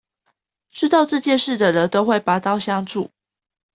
知道這件事的人都會拔刀相助